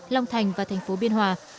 long thành và thành phố biên hòa